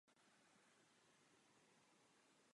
Velkou roli zde hraje regionální konkurence.